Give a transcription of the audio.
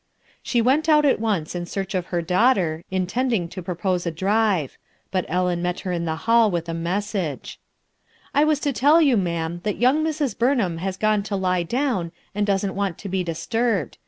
She went out at once in search of her daughter, intending to propose a drive ; but Ellen met her in the hall with a message, "I was to tell you, ma'am, that young Mrs. Burnham has gone to lie down and doesn't w f ant to be disturbed.